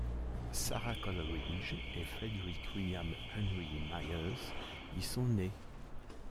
Sara Coleridge et Frederic William Henry Myers y sont nés.